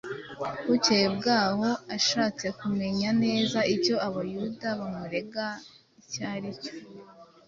Bukeye bw’aho, ashatse kumenya neza icyo Abayuda bamurega icyo ari cyo